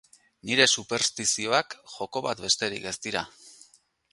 Nire superstizioak joko bat besterik ez dira.